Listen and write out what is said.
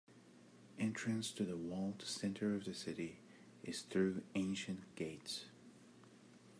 Entrance to the walled center of the city is through ancient gates.